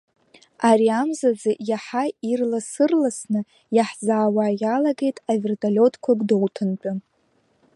Ари амзазы иаҳа ирласырласны иаҳзаауа иалагеит аверталиотқәа Гәдоуҭантәи.